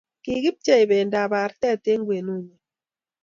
Kikipchei bendab artet eng kwenunyo.